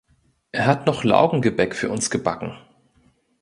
Er hat noch Laugengebäck für uns gebacken.